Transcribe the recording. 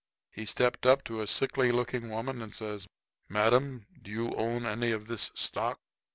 He stepped up to a sickly looking woman and says: "Madam, do you own any of this stock?"